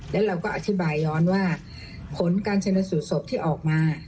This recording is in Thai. และเราก็อธิบายย้อนว่าผลการชนสูตรศพที่ออกมา